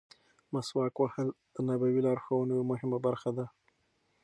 مسواک وهل د نبوي لارښوونو یوه مهمه برخه ده.